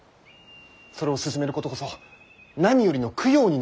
それを進めることこそ何よりの供養になるのではありませぬか。